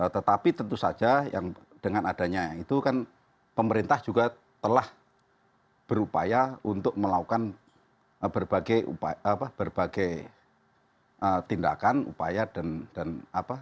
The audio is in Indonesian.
tetapi tentu saja yang dengan adanya itu kan pemerintah juga telah berupaya untuk melakukan berbagai tindakan upaya dan apa